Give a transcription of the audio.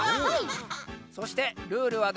そしてルールはですね